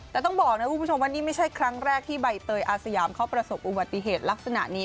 แต่ต้องบอกนะคุณผู้ชมว่านี่ไม่ใช่ครั้งแรกที่ใบเตยอาสยามเขาประสบอุบัติเหตุลักษณะนี้